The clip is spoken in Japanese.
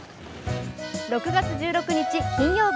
６月１６日金曜日。